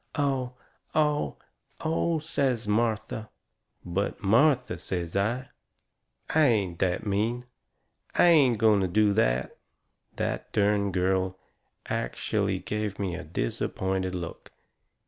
"Oh! Oh! Oh! " says Martha. "But, Martha," says I, "I ain't that mean. I ain't going to do that." That dern girl ackshellay give me a disappointed look!